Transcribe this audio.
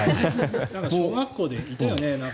なんか小学校でいたよね。